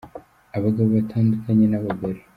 Abagabo batandukanye n'abagore.